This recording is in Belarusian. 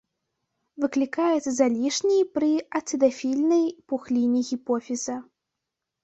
Выклікаецца залішняй пры ацыдафільнай пухліне гіпофіза.